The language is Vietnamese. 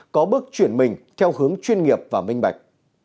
có bước chuyển mình theo hướng chuyên nghiệp và minh bạch